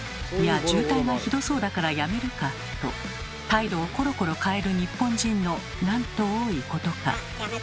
「いや渋滞がひどそうだからやめるか」と態度をコロコロ変える日本人のなんと多いことか。